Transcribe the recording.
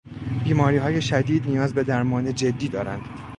بیماریهای شدید نیاز به درمان جدی دارند